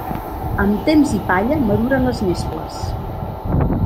Amb temps i palla maduren les nesples.